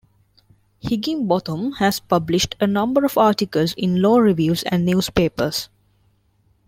Higginbotham has published a number of articles in law reviews and newspapers.